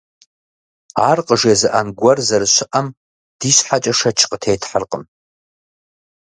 Ар къажезыӀэн гуэр зэрыщыӀэм ди щхьэкӀэ шэч къытетхьэркъым.